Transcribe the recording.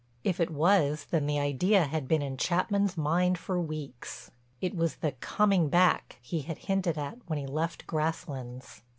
If it was then the idea had been in Chapman's mind for weeks—it was the "coming back" he had hinted at when he left Grasslands.